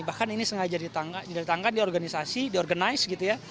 bahkan ini sengaja ditangkan diorganisasi diorganisasi gitu ya